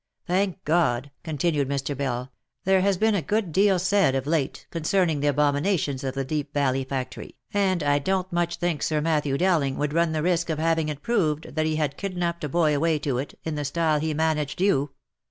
" Thank God !" continued Mr. Bell, " there has been a good deal said of late concerning the abominations of the 334 THE LIFE AND ADVENTURES Deep Valley Factory, and I don't much think Sir Matthew Dowling would run the risk of having it proved that he had kidnapped a boy away to it, in the style he managed you.